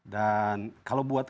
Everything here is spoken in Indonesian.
dan kalau buat